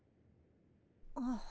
ああ。